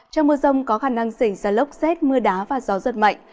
trong mưa rông có khả năng xảy ra lốc xét mưa đá và gió giật mạnh